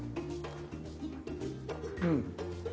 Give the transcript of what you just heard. うん。